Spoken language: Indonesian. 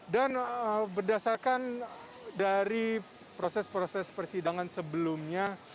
dan berdasarkan dari proses proses persidangan sebelumnya